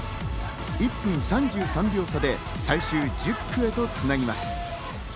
１分３３秒差で最終１０区へとつなぎます。